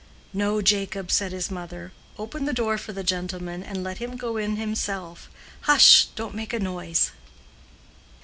"No, Jacob," said his mother; "open the door for the gentleman, and let him go in himself Hush! Don't make a noise."